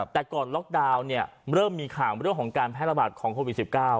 แต่ก่อนล็อกดาวน์เริ่มมีข่าวเรื่องของการแพร่ระบาดของโควิด๑๙